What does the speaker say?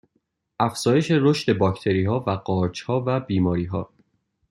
افزایش رشد باکتریها و قارچها و بیماریها